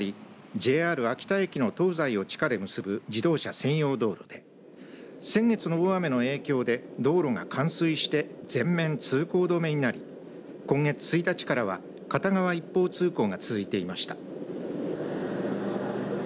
ＪＲ秋田駅の東西を地下で結ぶ自動車専用道路で先月の大雨の影響で道路が冠水して全面通行止めになり今月１日からは片側一方通行が続いていました。